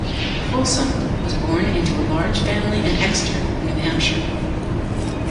Folsom was born into a large family in Exeter, New Hampshire.